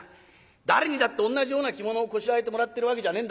誰にだって同じような着物をこしらえてもらってるわけじゃねえんだぞ。